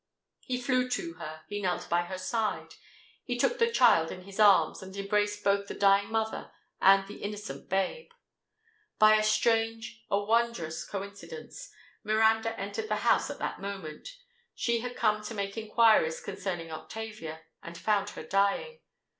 He flew to her: he knelt by her side—he took the child in his arms, and embraced both the dying mother and the innocent babe. By a strange—a wondrous coincidence, Miranda entered the house at that moment: she had come to make inquiries concerning Octavia—and found her dying.